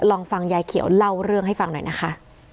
ลองฟังยายเขียวเล่าเรื่องให้ฟังหน่อยนะคะ